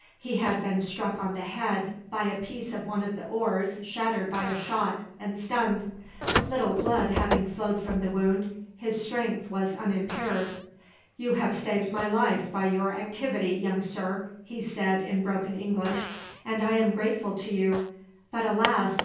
He had been struck on the head by a piece of one of the oars shattered by a shot, and stunned. Little blood having flowed from the wound, his strength was unimpaired. "You have saved my life by your activity, young sir," he said, in broken English, "and I am grateful to you; but, alas!